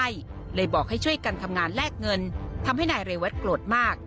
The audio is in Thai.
ให้เลยบอกให้ช่วยกันทำงานแลกเงินทำให้นายเรวัตโกรธมาก